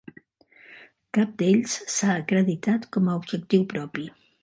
Cap d"ells s"ha acreditat com a objectiu propi.